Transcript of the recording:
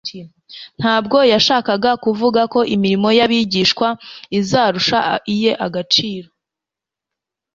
ntabwo yashakaga kuvuga ko imirimo y'abigishwa izarusha iye agaciro,